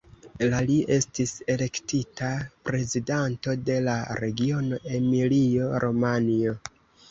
La li estis elektita prezidanto de la regiono Emilio-Romanjo.